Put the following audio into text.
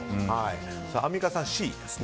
アンミカさん、Ｃですね。